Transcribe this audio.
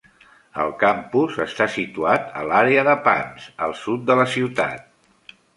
El campus està situat a l"àrea de Pance, al sud de la ciutat.